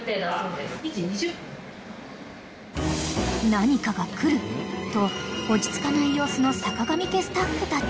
［何かが来ると落ち着かない様子のさかがみ家スタッフたち］